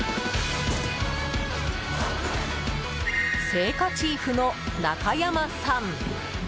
青果チーフの中山さん。